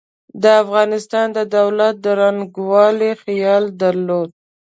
د افغانستان د دولت د ړنګولو خیال درلود.